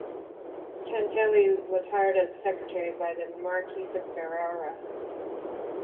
Cantelli was hired as secretary by the Marquis of Ferrara.